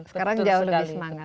sekarang jauh lebih semangat